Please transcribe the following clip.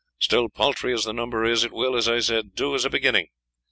Still, paltry as the number is, it will, as I said, do as a beginning.